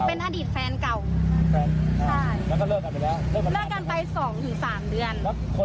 เป็นอดีตแฟนเก่าแล้วกันไป๒๓เดือน